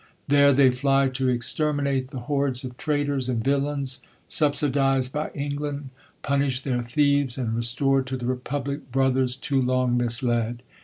There they fly to exterminate J the hordes of traitors and villain.^, subsidized by En o land; punish their thieves, and restore to the repub fic brothers too long misled.